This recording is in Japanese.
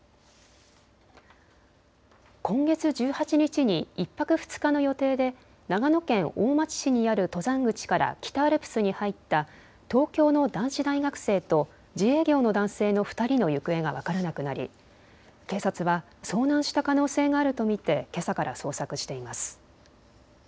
今月１８日に１泊２日の予定で長野県大町市にある登山口から北アルプスに入った東京の男子大学生と自営業の男性の２人の行方が分からなくなり警察は遭難した可能性があると見てけさから捜索しています。